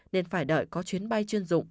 nên phải đợi có chuyến bay chuyên dụng